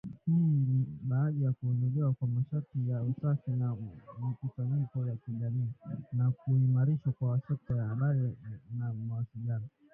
Hii ni baada ya kuondolewa kwa masharti ya usafiri na mikusanyiko ya kijamii, na kuimarishwa kwa sekta ya habari na mawasiliano.